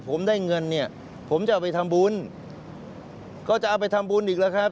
ผมได้เงินเนี่ยผมจะเอาไปทำบุญก็จะเอาไปทำบุญอีกแล้วครับ